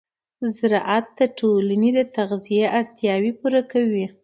زراعت د ټولنې د تغذیې اړتیاوې پوره کوي.